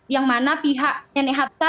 yang mana pihak nenek hapta